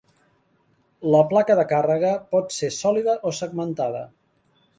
La placa de càrrega pot ser sòlida o segmentada.